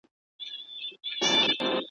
نن به د ایپي د مور چل هېره مرمۍ څه وايي `